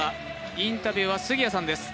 インタビューは杉谷さんです。